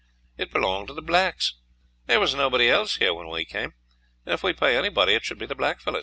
It belonged to the blacks. There was nobody else here when we came, and if we pay anybody it should be the blackfellows.